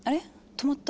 止まった。